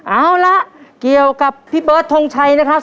เอาละเกี่ยวกับพี่เบิร์ดทงชัยนะครับ